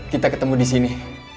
kita ketemu di sini